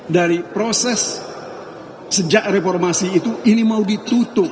dari proses sejak reformasi itu ini mau ditutup